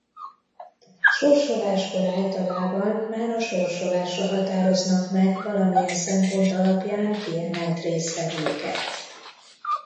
Sorsoláskor általában már a sorsolásra határoznak meg valamilyen szempont alapján kiemelt résztvevőket.